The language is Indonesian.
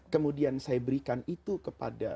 kemudian saya berikan itu kepada